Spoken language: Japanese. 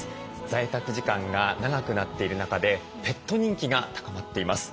在宅時間が長くなっている中でペット人気が高まっています。